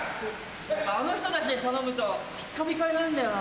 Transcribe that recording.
あの人たちに頼むとピッカピカになるんだよな。